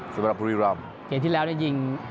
สำหรับภูริรัมเกมที่แล้วยิง